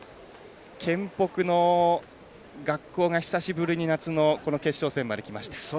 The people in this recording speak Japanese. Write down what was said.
県北の学校が久しぶりに決勝戦まできました。